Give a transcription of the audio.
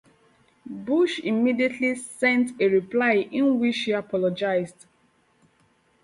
Bush immediately sent a reply in which she apologized.